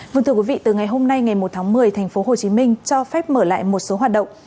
vâng thưa quý vị từ ngày hôm nay ngày một tháng một mươi thành phố hồ chí minh cho phép mở lại một số hoạt động